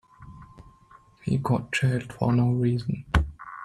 He got jailed for no reason.